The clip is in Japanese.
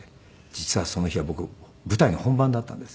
実はその日は僕舞台の本番だったんです。